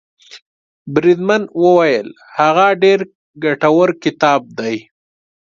بریدمن وویل هغه ډېر ګټور کتاب دی.